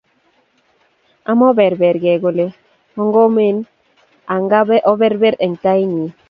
Amoberbergei kole ongomen angaa oberber eng tainyi